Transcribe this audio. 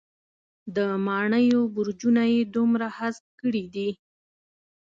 د ماڼېیو برجونه یې دومره هسک کړي دی.